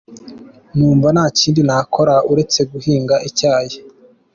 Numva nta kindi nakora uretse guhinga icyayi.